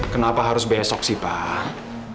kenapa harus besok sih pak